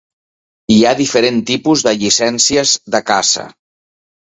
Hi ha diferents tipus de llicències de caça.